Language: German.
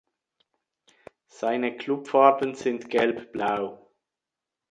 Seine Klubfarben sind gelb-blau.